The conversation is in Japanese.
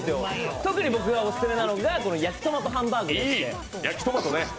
特に僕がオススメなのがこの焼きトマトハンバーグです。